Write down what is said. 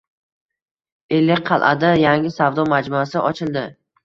Ellikqal’ada yangi savdo majmuasi ochildi